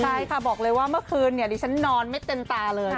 ใช่ค่ะบอกเลยว่าเมื่อคืนเนี่ยดิฉันนอนไม่เต็มตาเลย